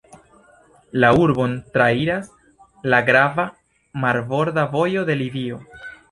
La urbon trairas la grava marborda vojo de Libio.